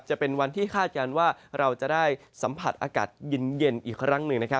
จะเป็นวันที่คาดการณ์ว่าเราจะได้สัมผัสอากาศเย็นอีกครั้งหนึ่ง